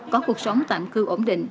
có cuộc sống tạm cư ổn định